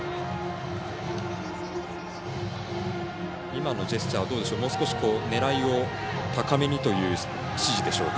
ベンチのジェスチャーは狙いを高めにという指示でしょうか。